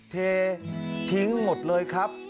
เททิ้งหมดเลยครับ